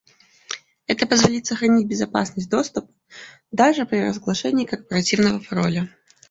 Это позволит сохранить безопасность доступа даже при разглашении корпоративного пароля